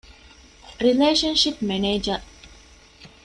ރިލޭޝަންޝިޕް މެނޭޖަރ